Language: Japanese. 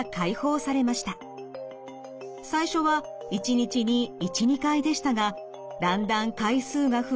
最初は一日に１２回でしたがだんだん回数が増え